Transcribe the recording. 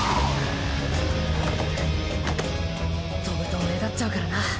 飛ぶと目立っちゃうからな。